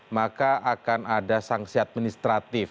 maka akan ada sanksi administratif